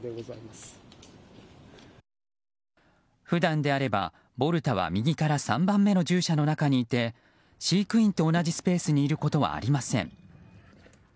普段であれば、ボルタは右から３番目の獣舎にいて飼育員と同じスペースにいることはありません。